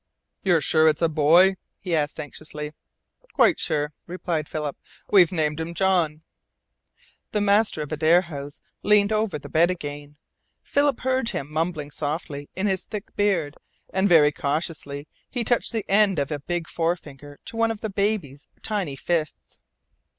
"You're sure it's a boy?" he asked anxiously. "Quite sure," replied Philip. "We've named him John." The master of the Adare House leaned over the bed again. Philip heard him mumbling softly in his thick beard, and very cautiously he touched the end of a big forefinger to one of the baby's tiny fists.